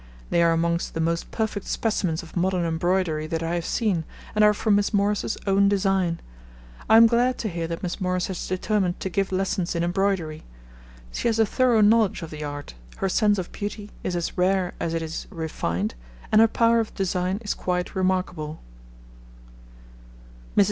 They are amongst the most perfect specimens of modern embroidery that I have seen, and are from Miss Morris's own design. I am glad to hear that Miss Morris has determined to give lessons in embroidery. She has a thorough knowledge of the art, her sense of beauty is as rare as it is refined, and her power of design is quite remarkable.